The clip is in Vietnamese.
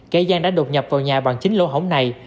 cây gian đã đột nhập vào nhà bằng chín lỗ hổng này